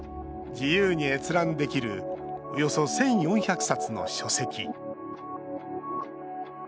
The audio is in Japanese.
自由に閲覧できるおよそ１４００冊の書籍。